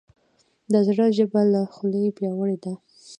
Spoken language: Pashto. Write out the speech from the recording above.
د زړه ژبه له خولې پیاوړې ده.